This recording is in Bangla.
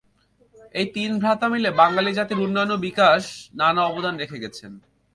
এই তিন ভ্রাতা মিলে বাঙালি জাতির উন্নয়ন ও বিকাশ নানা অবদান রেখে গেছেন।